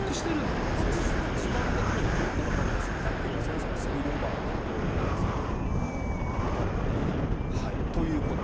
時間的にはわからないし１００ｋｍがそもそもスピードオーバーというところもありますから。